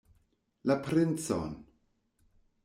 La princon!